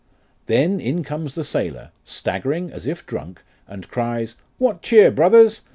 Then in comes the sailor, staggering as if drunk, and cries, What cheer, brothers